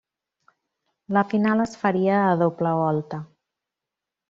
La final es faria a doble volta.